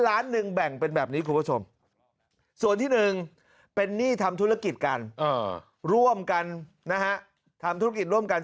ล้านหนึ่งแบ่งเป็นแบบนี้คุณผู้ชมส่วนที่๑เป็นหนี้ทำธุรกิจกันร่วมกันนะฮะทำธุรกิจร่วมกัน